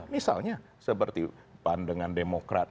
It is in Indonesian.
misalnya seperti pandangan demokrat